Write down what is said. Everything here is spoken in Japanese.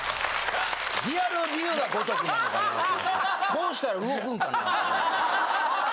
こうしたら動くんかなと思った。